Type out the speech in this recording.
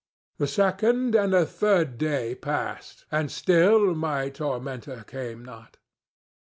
The second and the third day passed, and still my tormentor came not.